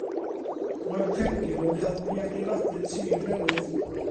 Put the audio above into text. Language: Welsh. Mae'r cregyn yn help i adeiladu tir newydd.